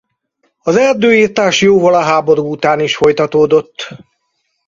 Az erdőirtás jóval a háború után is folytatódott.